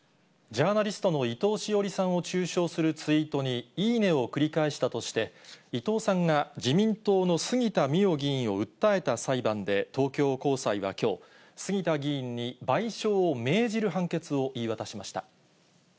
ジャーナリストの伊藤詩織さんを中傷するツイートに、いいねを繰り返したとして、伊藤さんが自民党の杉田水脈議員を訴えた裁判で、東京高裁はきょう、杉田議員に賠償を命じる判決を言い渡しました。